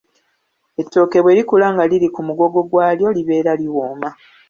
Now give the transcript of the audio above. Ettooke bwe likula nga liri ku mugogo gwalyo libeera liwooma.